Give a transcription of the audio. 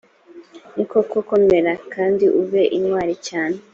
ni koko, komera kandi ube intwari cyane;